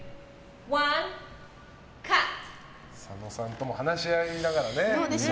佐野さんとも話し合いながらね。